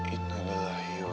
itu adalah hiu ya